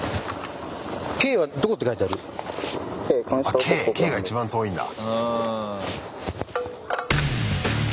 あっＫＫが一番遠いんだ。